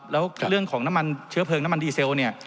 แล้วเรื่องของน้ำมันเชื้อเพลิงน้ำมันดีเซลเนี่ย